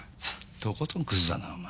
とことんクズだなお前。